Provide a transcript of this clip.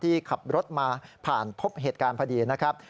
ที่ขับรถมาผ่านพบเหตุการณ์พอดีนะครับ